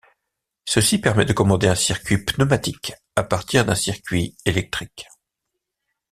Ceci permet de commander un circuit pneumatique à partir d'un circuit électrique.